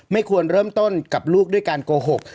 ควรเริ่มต้นกับลูกด้วยการโกหก